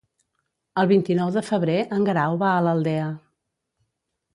El vint-i-nou de febrer en Guerau va a l'Aldea.